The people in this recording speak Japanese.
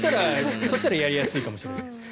そしたらやりやすいかもしれない。